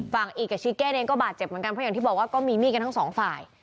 อีกกับชิเก้เองก็บาดเจ็บเหมือนกันเพราะอย่างที่บอกว่าก็มีมีดกันทั้งสองฝ่าย